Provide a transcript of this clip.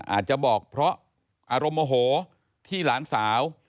อาจจะบอกเพราะอารมณ์โมโหที่หลานสาว